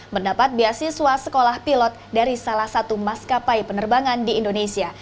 mendapat beasiswa sekolah pilot dari salah satu maskapai penerbangan di indonesia